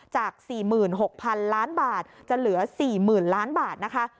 จาก๔๖๐๐๐ล้านบาทจะเหลือ๔๐๐๐ล้านบาทนะคะ